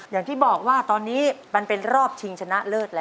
อย่างที่บอกว่าตอนนี้มันเป็นรอบชิงชนะเลิศแล้ว